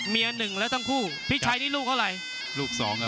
เมียหนึ่งแล้วทั้งคู่พี่ชัยนี่ลูกเท่าไรลูกสองครับ